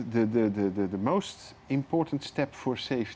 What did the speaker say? langkah paling penting untuk keamanan